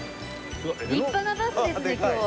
立派なバスですね今日は。